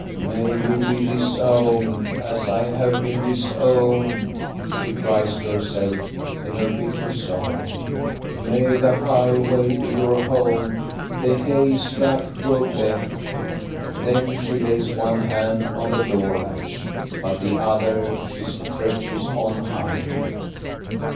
"'May you be disowned, as I have been disowned, '" she cries to herself in her bitter sorrow. "' May the highway be your home, the hay stack your bed !'" Then she lays one hand on the door latch, but the other she stretches on high.